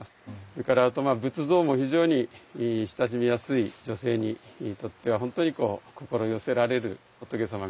それから仏像も非常に親しみやすい女性にとっては本当に心寄せられる仏様が数多くございます。